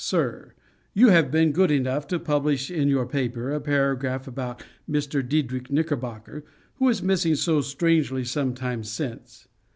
"_ SIR, You have been good enough to publish in your paper a paragraph about Mr. Diedrich Knickerbocker, who was missing so strangely some time since.